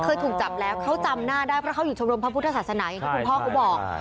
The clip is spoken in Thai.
เคยถูกจับแล้วเค้าจำหน้าได้เพราะเค้าอยู่ชมรมพระพุทธศาสนายังคือดุพ่อก็บอก